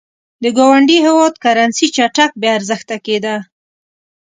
د ګاونډي هېواد کرنسي چټک بې ارزښته کېده.